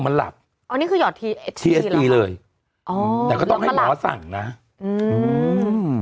มันหลับอ๋อนี่คือเลยอ๋อแล้วก็ต้องให้หมอสั่งนะอื้ม